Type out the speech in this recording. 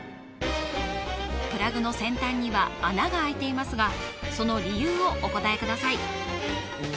プラグの先端には穴があいていますがその理由をお答えください